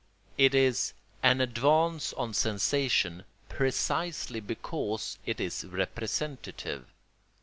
It is an advance on sensation precisely because it is representative.